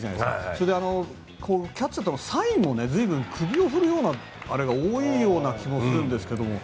それでキャッチャーとのサインも随分、首を振る回数が多いような気もするんですけれども。